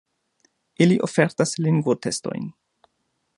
Ili ofertas lingvo-testojn.